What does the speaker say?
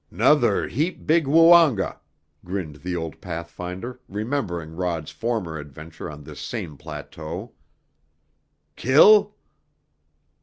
"'Nother heap big Woonga," grinned the old pathfinder remembering Rod's former adventure on this same plateau. "Kill?"